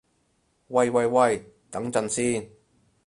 喂喂喂，等陣先